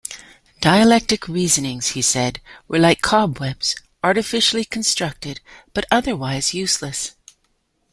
"Dialectic reasonings," he said, "were like cobwebs, artificially constructed, but otherwise useless.